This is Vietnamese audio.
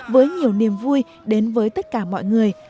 với nhiều niềm vui đến với tất cả mọi người